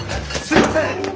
すいません！